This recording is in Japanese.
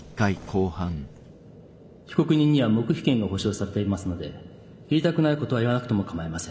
被告人には黙秘権が保障されていますので言いたくないことは言わなくても構いません。